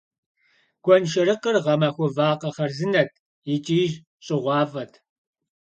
Гуэншэрыкъыр гъэмахуэ вакъэ хъарзынэт икӀи щӀыгъуафӀэт.